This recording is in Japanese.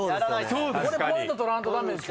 ここでポイント取らんと駄目ですよ。